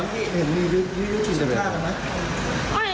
ตอนนั้นที่เห็นยืนจุดฆ่ากันไหม